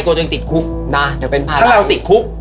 กลัวตัวเองติดคุกถ้าเราติดคุก